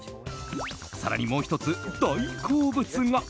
更にもう１つ大好物が。